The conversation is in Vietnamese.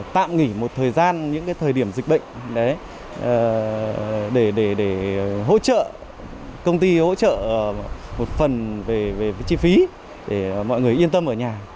tạm nghỉ một thời gian những thời điểm dịch bệnh để hỗ trợ công ty hỗ trợ một phần về chi phí để mọi người yên tâm ở nhà